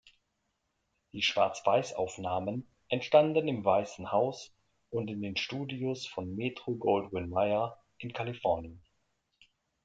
Die Schwarz-Weiß-Aufnahmen entstanden im Weißen Haus und in den Studios von Metro-Goldwyn-Mayer in Kalifornien.